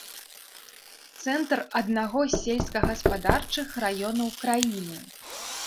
Цэнтр аднаго з сельскагаспадарчых раёнаў краіны.